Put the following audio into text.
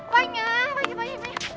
banyak banyak banyak